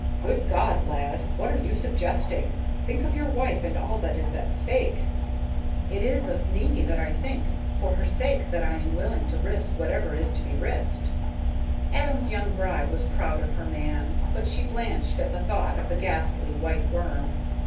"Good God, lad, what are you suggesting? Think of your wife, and all that is at stake." "It is of Mimi that I think for her sake that I am willing to risk whatever is to be risked." Adam's young bride was proud of her man, but she blanched at the thought of the ghastly White Worm.